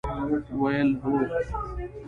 ویل: هو!